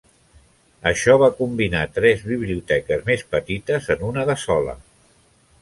Això va combinar tres biblioteques més petites en una de sola.